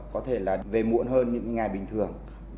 có thể là về muộn hơn những cái ngày bình thường